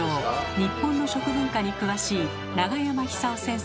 日本の食文化に詳しい永山久夫先生。